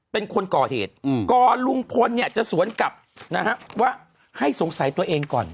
เป็นคนก่อเหตุก่อนลุงพลเนี่ยจะสวนกลับนะฮะว่าให้สงสัยตัวเองก่อน